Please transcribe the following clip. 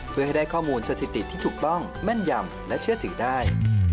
เพื่อให้ได้ข้อมูลสถิติที่ถูกต้องแม่นยำและเชื่อถือได้